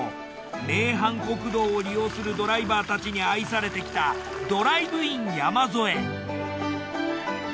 名阪国道を利用するドライバーたちに愛されてきたドライブイン山添。